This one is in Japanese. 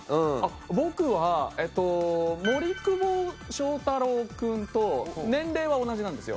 僕はえっと森久保祥太郎君と年齢は同じなんですよ。